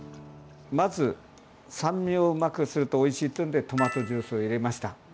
まず、酸味をうまくするとおいしいっていうんでトマトジュースを入れました。